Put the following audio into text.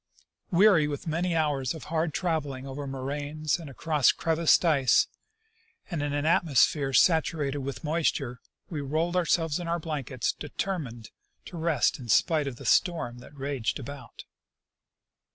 Weary with many hours of hard trav eling over moraines and across crevassed ice, and in an atmos phere saturated with moisture, we rolled ourselves in our blankets, determined to rest in spite of the storm that raged about.